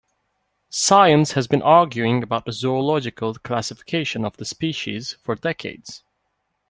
Science has been arguing about the zoological classification of the species for decades.